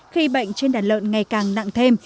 khi bệnh trên đàn lợn ngày càng nặng thêm